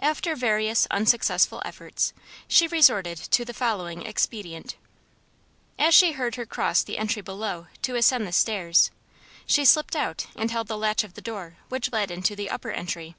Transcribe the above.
After various unsuccessful efforts, she resorted to the following expedient. As she heard her cross the entry below, to ascend the stairs, she slipped out and held the latch of the door which led into the upper entry.